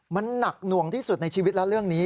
มันหนักหน่วงที่สุดในชีวิตแล้วเรื่องนี้